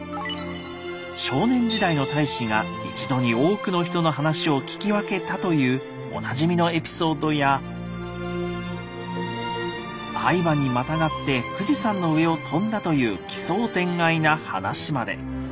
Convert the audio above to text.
少年時代の太子が一度に多くの人の話を聞き分けたというおなじみのエピソードや愛馬にまたがって富士山の上を飛んだという奇想天外な話まで。